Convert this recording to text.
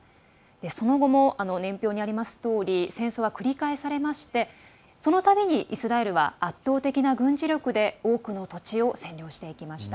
その後も年表にありますとおり戦争は繰り返されましてそのたびにイスラエルは圧倒的な軍事力で多くの土地を占領していきました。